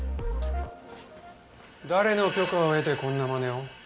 誰の許可を得てこんな真似を？